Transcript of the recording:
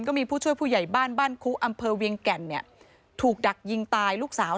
ก็มีผู้ช่วยผู้ใหญ่บ้านบ้านคุอำเภอเวียงแก่นเนี่ยถูกดักยิงตายลูกสาว